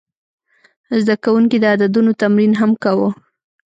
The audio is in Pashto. زده کوونکي د عددونو تمرین هم کاوه.